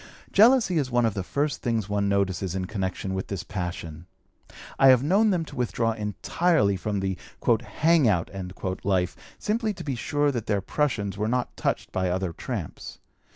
Jealousy is one of the first things one notices in connection with this passion. I have known them to withdraw entirely from the "hang out" life simply to be sure that their prushuns were not touched by other tramps.